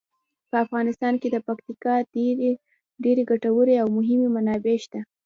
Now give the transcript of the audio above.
په افغانستان کې د پکتیکا ډیرې ګټورې او مهمې منابع شته.